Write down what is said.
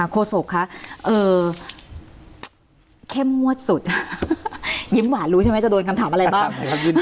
โศกคะเข้มงวดสุดยิ้มหวานรู้ใช่ไหมจะโดนคำถามอะไรบ้าง